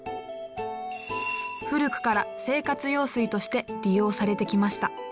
古くから生活用水として利用されてきました。